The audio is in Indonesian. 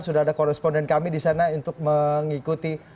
sudah ada koresponden kami di sana untuk mengikuti